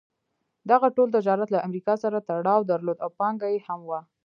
دغه ټول تجارت له امریکا سره تړاو درلود او پانګه یې هم وه.